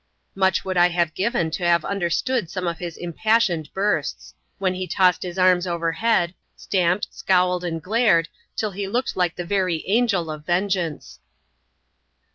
Much would I have given to have imderstood «oime of his impassioned bursts ; when he tossed his arms over head, stamped, scowled, and glared, till he looked like the very Angel €£ Vengeance.